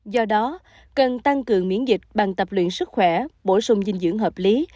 do đó cần tăng cường miễn dịch bằng tập luyện sức khỏe bổ sung dinh dưỡng hợp lý